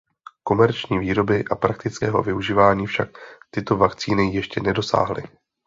Komerční výroby a praktického využívání však tyto vakcíny ještě nedosáhly.